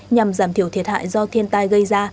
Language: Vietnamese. nhằm giảm thiểu thiệt hại do thiên tai gây ra